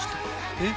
えっ？